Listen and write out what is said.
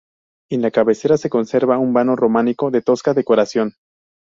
En la cabecera se conserva un vano románico de tosca decoración.